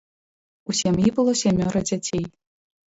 У сям'і было сямёра дзяцей.